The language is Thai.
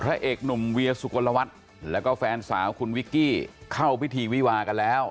เอกหนุ่มเวียสุกลวัฒน์แล้วก็แฟนสาวคุณวิกกี้เข้าพิธีวิวากันแล้ว